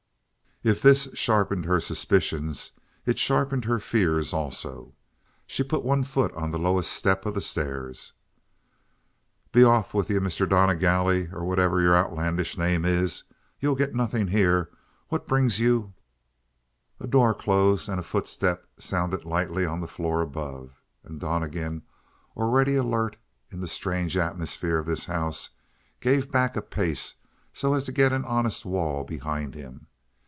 If this sharpened her suspicions, it sharpened her fear also. She put one foot on the lowest step of the stairs. "Be off with you, Mr. Donnegally, or whatever your outlandish name is. You'll get nothing here. What brings you " A door closed and a footstep sounded lightly on the floor above. And Donnegan, already alert in the strange atmosphere of this house, gave back a pace so as to get an honest wall behind him.